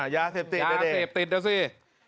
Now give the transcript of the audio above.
ยาเสพติดยาเสพติดเดี๋ยวสิ